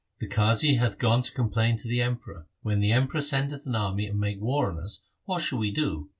The Qazi hath gone to complain to the Emperor. When the Emperor sendeth an army and maketh war on us, what shall we do